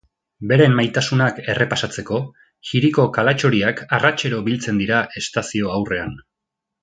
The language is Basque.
Beren maitasunak errepasatzeko, hiriko kalatxoriak arratsero biltzen dira estazio aurrean.